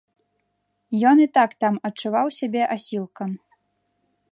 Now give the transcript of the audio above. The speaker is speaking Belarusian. Ён і так там адчуваў сябе асілкам.